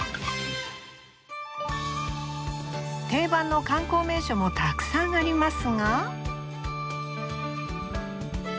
定番の観光名所もたくさんありますが。